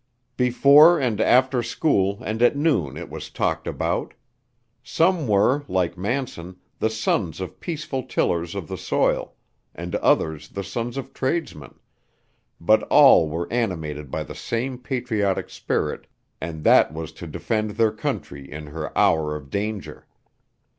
Before and after school and at noon it was talked about. Some were, like Manson, the sons of peaceful tillers of the soil, and others the sons of tradesmen, but all were animated by the same patriotic spirit and that was to defend their country in her hour of danger.